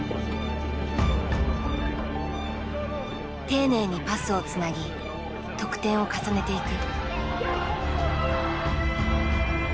丁寧にパスをつなぎ得点を重ねていく。